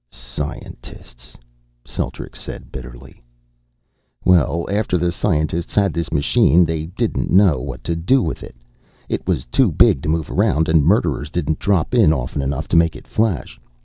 "Scientists," Celtrics said bitterly. "Well, after the scientists had this machine, they didn't know what to do with it. It was too big to move around, and murderers didn't drop in often enough to make it flash.